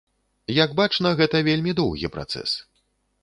Як бачна, гэта вельмі доўгі працэс.